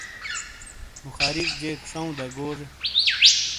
بخاریک جیک شاؤں داگوجے۔